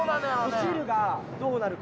汁がどうなるか。